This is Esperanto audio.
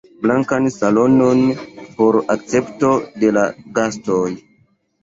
Blankan salonon por akcepto de la gastoj.